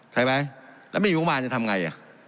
ใช่ไหมแล้วไม่มีบุคลากรจะทำไง